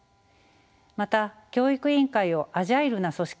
また教育委員会をアジャイルな組織